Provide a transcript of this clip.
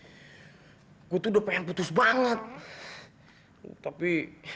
duket udah yang putus banget tapi